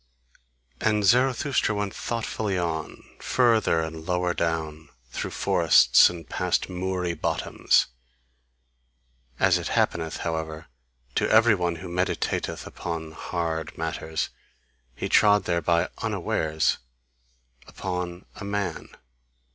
And Zarathustra went thoughtfully on, further and lower down, through forests and past moory bottoms; as it happeneth, however, to every one who meditateth upon hard matters, he trod thereby unawares upon a man.